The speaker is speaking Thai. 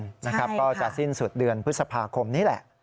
นะครับก็จะสิ้นสุดเดือนพฤษภาคมนี้แหละ